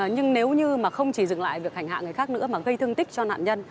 nhưng nếu không chỉ dừng lại việc hành hạ người khác nữa mà gây thương tích cho nạn nhân